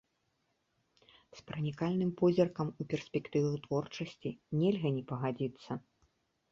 З пранікальным позіркам у перспектыву творчасці нельга не пагадзіцца.